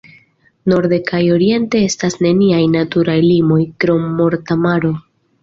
Norde kaj oriente estas neniaj naturaj limoj, krom Morta Maro.